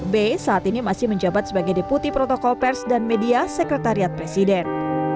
b saat ini masih menjabat sebagai deputi protokol pers dan media sekretariat presiden